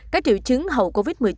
các triệu chứng hậu covid một mươi chín